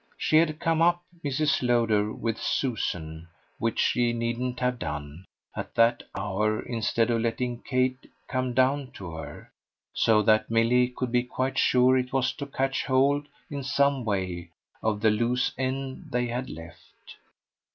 She had come up, Mrs. Lowder, with Susan which she needn't have done, at that hour, instead of letting Kate come down to her; so that Milly could be quite sure it was to catch hold, in some way, of the loose end they had left.